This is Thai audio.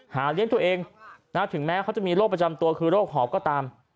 เลี้ยงตัวเองถึงแม้เขาจะมีโรคประจำตัวคือโรคหอบก็ตาม